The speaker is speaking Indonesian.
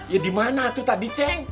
ya dimana tuh tadi ceng